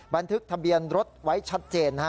บันทึกทะเบียนรถไว้ชัดเจน